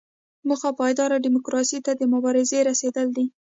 موخه پایداره ډیموکراسۍ ته د دې مبارزې رسیدل دي.